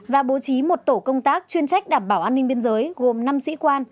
và bố trí một tổ công tác chuyên trách đảm bảo an ninh biên giới gồm năm sĩ quan